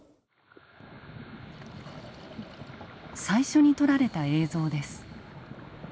最初に撮られた映像です。